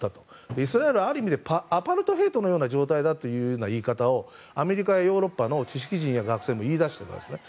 イスラエルはある意味でアパルトヘイトのような状態だという言い方をアメリカやヨーロッパの知識人や学生も言い出してるんですね。